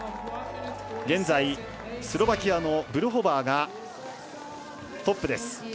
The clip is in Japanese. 現在、スロバキアのブルホバーがトップです。